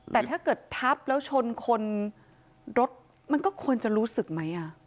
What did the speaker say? แต่ถ้าเกิดทับแล้วชนคนรถมันก็ควรจะรู้สึกไหม